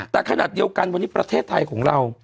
แต่ขณะเดียวกันวันนี้ประเทศไทยของเรา